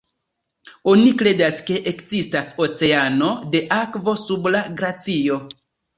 Oni kredas ke ekzistas oceano de akvo sub la glacio.